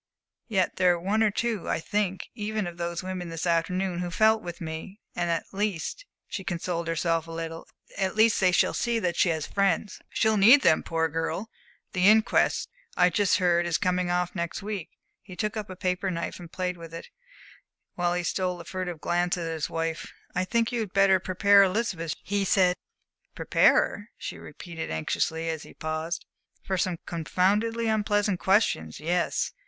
Yet there were one or two, I think, even of those women this afternoon, who felt with me. And at least" she consoled herself a little "at least they shall see that she has friends!" "She'll need them, poor girl. The the inquest I've just heard is coming off next week." He took up a paper knife and played with it, while he stole a furtive glance at his wife. "I think you had better prepare Elizabeth," he said. "Prepare her?" she repeated anxiously, as he paused. "For some confoundedly unpleasant questions! Yes.